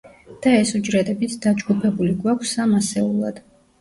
და ეს უჯრებიც დაჯგუფებული გვაქვს სამ ასეულად.